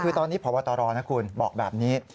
คือตอนนี้พบตรนะคุณบอกแบบนี้